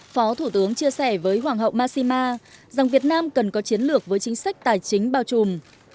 phó thủ tướng chia sẻ với hoàng hậu mashima rằng việt nam cần có chiến lược với chính sách tài chính bao trùm